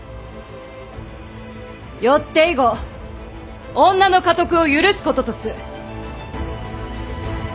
よって以後女の家督を許すこととす！